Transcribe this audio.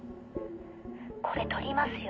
これ取りますよ。